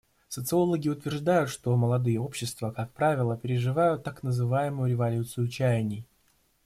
Социологи утверждают, что молодые общества, как правило, переживают так называемую «революцию чаяний».